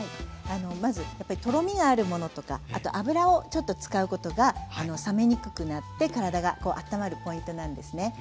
まずやっぱりとろみがあるものとかあと油をちょっと使うことが冷めにくくなって体があったまるポイントなんですね。